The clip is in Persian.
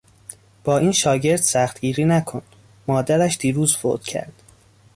با این شاگرد سخت گیری نکن، مادرش دیروز فوت کرد.